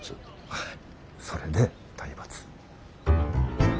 はいそれで体罰。